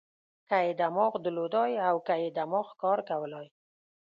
که یې دماغ درلودای او که یې دماغ کار کولای.